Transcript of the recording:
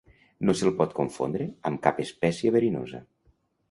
No se'l pot confondre amb cap espècie verinosa.